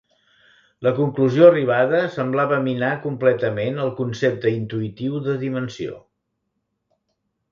La conclusió arribada semblava minar completament el concepte intuïtiu de dimensió.